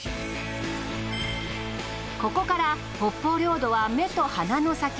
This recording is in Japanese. ここから北方領土は目と鼻の先。